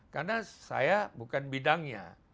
karena saya bukan bidangnya